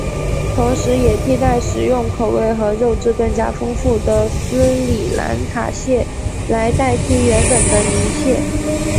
同时也替代使用口味和肉质更加丰富的斯里兰卡蟹来代替原本的泥蟹。